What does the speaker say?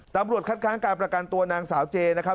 ตำรวจคัดค้างการประกันตัวนางสาวเจนะครับ